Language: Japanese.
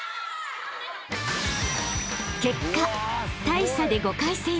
［結果大差で５回戦へ］